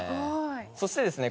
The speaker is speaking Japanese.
そしてですね